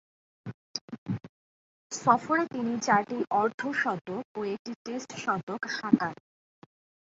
সফরে তিনি চারটি অর্ধ-শতক ও একটি টেস্ট শতক হাঁকান।